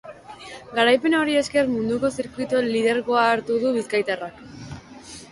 Garaipen horri esker munduko zirkuituko lidergoa hartu du bizkaitarrak.